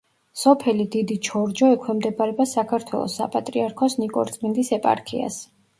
სოფელი დიდი ჩორჯო ექვემდებარება საქართველოს საპატრიარქოს ნიკორწმინდის ეპარქიას.